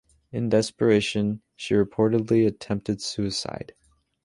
In desperation, she reportedly attempted suicide.